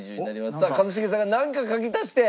さあ一茂さんがなんか書き足して。